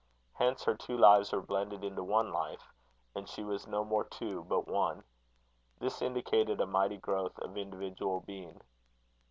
Hence her two lives were blended into one life; and she was no more two, but one. This indicated a mighty growth of individual being.